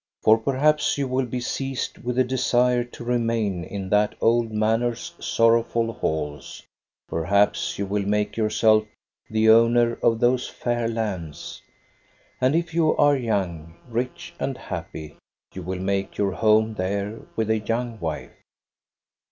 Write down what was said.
For perhaps you will be seized with a desire to remain in that old manor's sorrowful halls; perhaps you will make yourself the owner of those fair lands ; and if you are young, rich, and happy, you will make your home there with a young wife.